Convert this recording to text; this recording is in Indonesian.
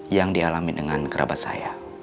yang dialami dengan kerabat saya